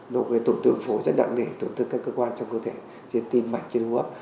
nó có thể tổn thương phối rất đặng để tổn thương các cơ quan trong cơ thể trên tim mạnh trên hữu ấp